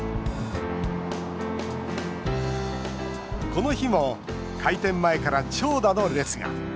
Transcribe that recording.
この日も開店前から長蛇の列が。